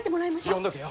読んどけよ